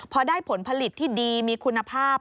พอได้ผลผลิตที่ดีมีคุณภาพ